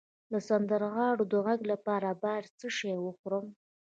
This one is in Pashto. د سندرغاړو د غږ لپاره باید څه شی وخورم؟